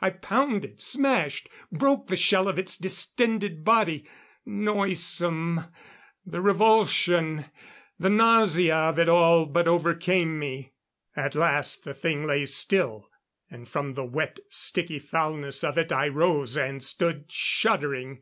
I pounded, smashed; broke the shell of its distended body ... noisome ... the revulsion, the nausea of it all but overcame me. At last the thing lay still; and from the wet, sticky foulness of it I rose and stood shuddering.